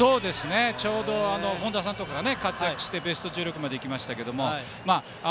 ちょうど本田さんとかが活躍してベスト１６まで行きましたが。